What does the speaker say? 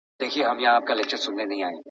که خپله ژبه وساتو، نو کلتوري ریښې نه مړېږي.